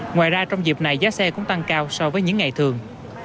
ngoài ra trong dịp này giá xe cũng tăng cao so với những ngày thường